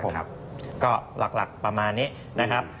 ผมก็หลักประมาณนี้นะครับ